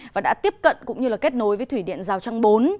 và đã tiếp cận cũng như kết nối với thủy điện rào trang bốn